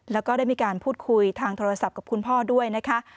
แล้วก็ได้มีการพูดคุยทางโทรศัพท์กับคุณพ่อด้วยนะคะ